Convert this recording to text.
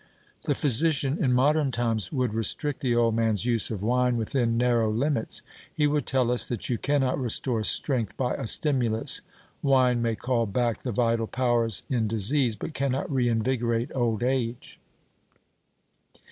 The physician in modern times would restrict the old man's use of wine within narrow limits. He would tell us that you cannot restore strength by a stimulus. Wine may call back the vital powers in disease, but cannot reinvigorate old age.